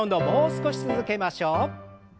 もう少し続けましょう。